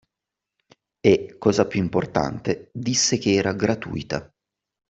E, cosa più importante, disse che era gratuita.